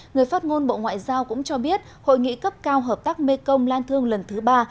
người phát ngôn bộ ngoại giao cũng cho biết hội nghị cấp cao hợp tác mekong lan thương lần thứ ba